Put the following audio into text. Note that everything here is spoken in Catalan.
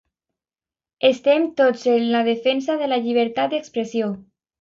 Estem tots en la defensa de la llibertat d’expressió